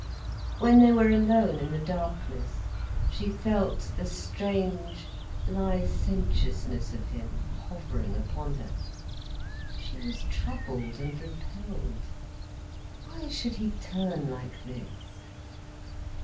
When they were alone in the darkness, she felt the strange, licentiousness of him hovering upon her. She was troubled and repelled. Why should he turn like this?